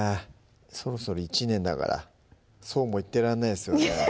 そろそろ１年だからそうも言ってられないですよね